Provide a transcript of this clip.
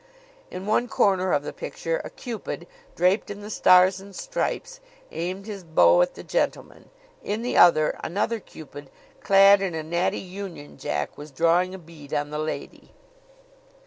In one corner of the picture a Cupid, draped in the Stars and Stripes, aimed his bow at the gentleman; in the other another Cupid, clad in a natty Union Jack, was drawing a bead on the lady.